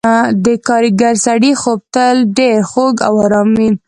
د کارګر سړي خوب تل ډېر خوږ او آرام وي.